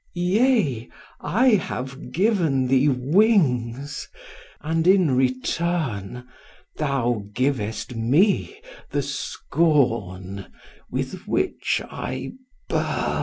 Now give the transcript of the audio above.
Yea, I have given thee wings, and in return Thou givest me the scorn with which I burn."